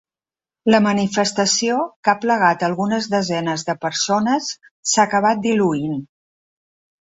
La manifestació, que ha aplegat algunes desenes de persones, s’ha acabat diluint.